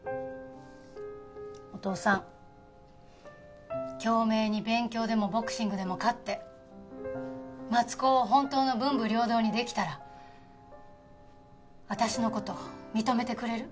お父さん京明に勉強でもボクシングでも勝って松高を本当の文武両道にできたら私の事を認めてくれる？